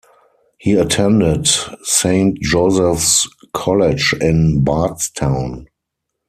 He attended Saint Joseph's College in Bardstown.